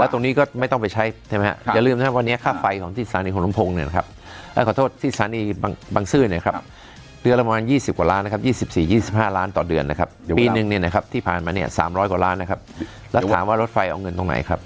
ตรงนี้ก็ไม่ต้องไปใช้ใช่ไหมครับอย่าลืมนะครับวันนี้ค่าไฟของที่สถานีขนสมพงศ์เนี่ยนะครับขอโทษที่สถานีบางซื่อเนี่ยครับเดือนละประมาณ๒๐กว่าล้านนะครับ๒๔๒๕ล้านต่อเดือนนะครับเดี๋ยวปีนึงเนี่ยนะครับที่ผ่านมาเนี่ย๓๐๐กว่าล้านนะครับแล้วถามว่ารถไฟเอาเงินตรงไหนครับ